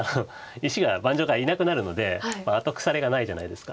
石が盤上からいなくなるので後腐れがないじゃないですか。